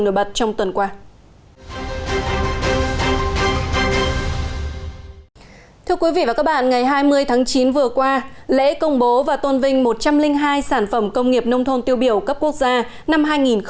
vào ngày hai mươi tháng chín vừa qua lễ công bố và tôn vinh một trăm linh hai sản phẩm công nghiệp nông thôn tiêu biểu cấp quốc gia năm hai nghìn một mươi bảy